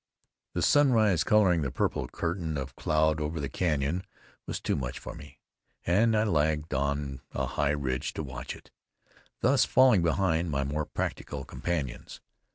The sunrise coloring the purple curtain of cloud over the canyon was too much for me, and I lagged on a high ridge to watch it, thus falling behind my more practical companions.